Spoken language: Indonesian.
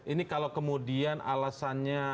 ini kalau kemudian alasannya